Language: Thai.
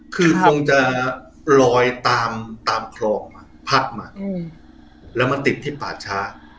คือคงจะลอยตามตามคลองมาพัดมาแล้วมาติดที่ป่าช้า